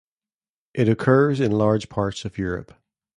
It occurs in large parts of Europe.